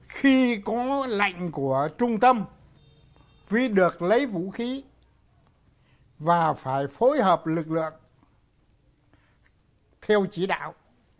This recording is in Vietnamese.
khi có lệnh của trung tâm vì được lấy vũ khí và phải phối hợp lực lượng theo chỉ đạo